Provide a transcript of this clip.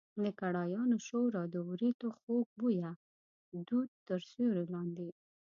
د کړایانو شور او د وریتو خوږ بویه دود تر سیوري لاندې.